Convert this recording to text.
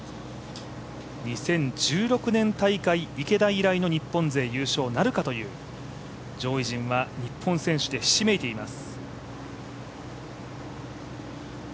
２０１６年大会、池田以来の日本勢優勝なるか、上位陣は日本選手でひしめいています。